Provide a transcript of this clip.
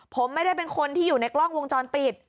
ผมไม่ได้เป็นคนที่อยู่ในกล้องวงจรปิด